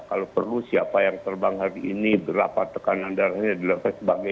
kalau perlu siapa yang terbang hari ini berapa tekanan darahnya dan sebagainya